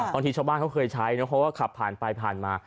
บางทีชาวบ้านเขาเคยใช้นะเพราะว่าขับผ่านไปผ่านมา